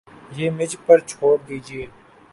یہ مجھ پر چھوڑ دیجئے